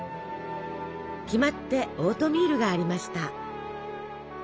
決まってオートミールがありました。